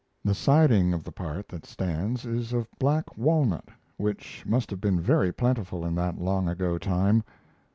The siding of the part that stands is of black walnut, which must have been very plentiful in that long ago time.